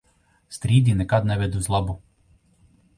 Strīdi nekad neved uz labu.